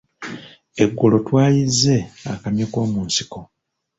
Eggulo twayizze akamyu koomunsiko.